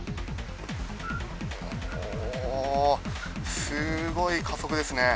おおー、すごい加速ですね。